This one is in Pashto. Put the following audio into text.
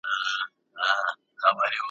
پردی ملا راغلی دی پردي یې دي نیتونه `